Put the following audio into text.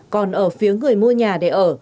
còn ở phía người mua nhà để ở